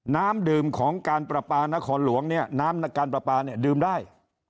น้ำดื่มของการประปานครหลวงเนี่ยน้ำนักการประปาเนี่ยดื่มได้